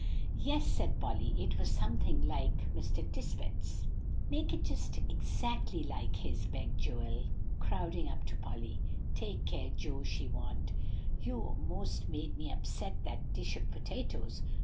"Yes," said Polly; "it was something like Mr. Tisbett's." "Make it just exactly like his," begged Joel, crowding up to Polly. "Take care, Joe," she warned; "you most made me upset that dish of potatoes.